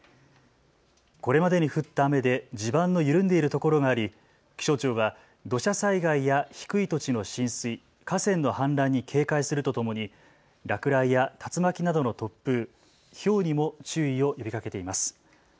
これまでに降った雨で地盤の緩んでいるところがあり気象庁は土砂災害や低い土地の浸水、河川の氾濫に警戒するとともに落雷や竜巻などの突風、ひょうにも注意を呼びかけています。